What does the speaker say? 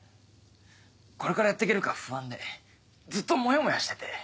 これからやっていけるか不安でずっともやもやしてて。